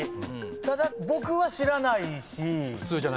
ただ僕は知らないし。